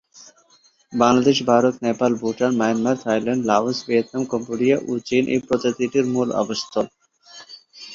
Bangladesh, Bharat, Nepal, Bhutan, Myanmar, Thailand, Laos, Vietnam, Cambodia, ও চীন এই প্রজাতিটির মূল আবাসস্থল।